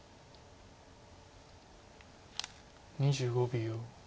２５秒。